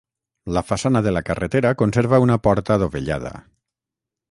La façana de la carretera conserva una porta dovellada.